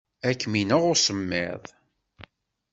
Ad kem-ineɣ usemmiḍ.